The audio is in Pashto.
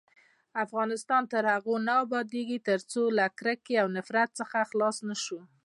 افغانستان تر هغو نه ابادیږي، ترڅو له کرکې او نفرت څخه خلاص نشو.